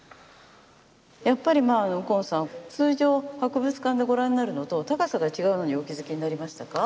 やっぱり右近さん通常博物館でご覧になるのと高さが違うのにお気付きになりましたか？